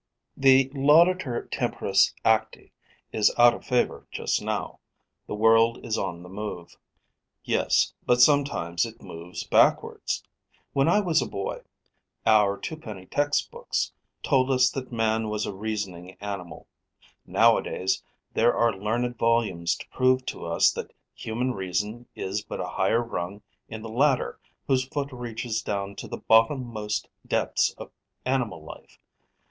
The laudator temperis acti is out of favour just now: the world is on the move. Yes, but sometimes it moves backwards. When I was a boy, our twopenny textbooks told us that man was a reasoning animal; nowadays, there are learned volumes to prove to us that human reason is but a higher rung in the ladder whose foot reaches down to the bottommost depths of animal life.